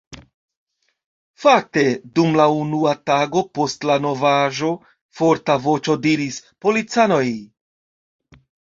Fakte, dum la unua tago post la novaĵo forta voĉo diris: Policanoj!